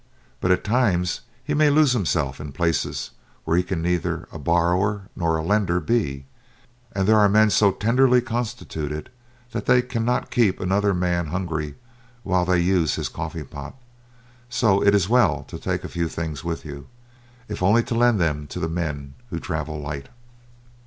But at times he may lose himself in places where he can neither a borrower nor a lender be, and there are men so tenderly constituted that they cannot keep another man hungry while they use his coffee pot. So it is well to take a few things with you if only to lend them to the men who travel "light."